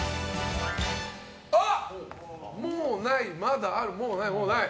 もうない、まだあるもうない、もうない。